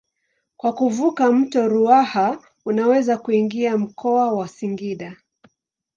Kwa kuvuka mto Ruaha unaweza kuingia mkoa wa Singida.